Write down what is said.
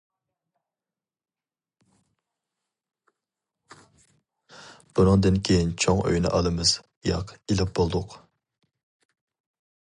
بۇنىڭدىن كېيىن چوڭ ئۆينى ئالىمىز، ياق، ئېلىپ بولدۇق.